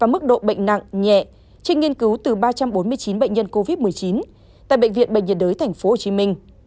mức độ bệnh nặng nhẹ trên nghiên cứu từ ba trăm bốn mươi chín bệnh nhân covid một mươi chín tại bệnh viện bệnh nhiệt đới tp hcm